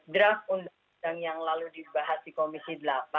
draft undang undang yang lalu dibahas di komisi delapan